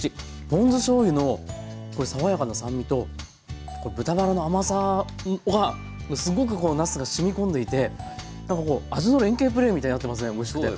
ポン酢しょうゆの爽やかな酸味と豚バラの甘さはすごくこうなすがしみ込んでいてなんかこう味の連係プレーみたいになってますねおいしくて。